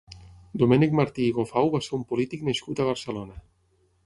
Domènec Martí i Gofau va ser un polític nascut a Barcelona.